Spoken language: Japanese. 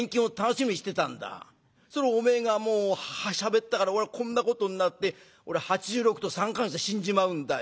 それをおめえがしゃべったから俺はこんなことになって俺８６と３か月で死んじまうんだよ。